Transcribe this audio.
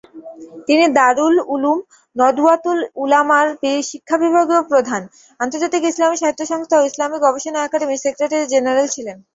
তিনি দারুল উলুম নদওয়াতুল উলামার শিক্ষাবিভাগীয় প্রধান, আন্তর্জাতিক ইসলামি সাহিত্য সংস্থা ও ইসলামি গবেষণা একাডেমির সেক্রেটারি জেনারেল ছিলেন।